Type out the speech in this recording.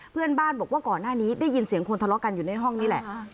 เพื่อนบ้านบอกว่าก่อนหน้านี้ได้ยินเสียงคนทะเลาะกันอยู่ในห้องนี่แหละ